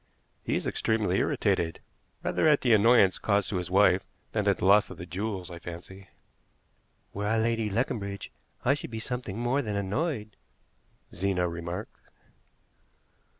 "He is extremely irritated, rather at the annoyance caused to his wife than at the loss of the jewels, I fancy." "Were I Lady Leconbridge I should be something more than annoyed," Zena remarked.